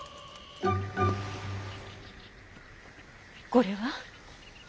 これは？